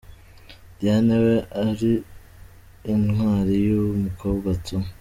Diane weee.uri in twari you u mukobwa tuu!!!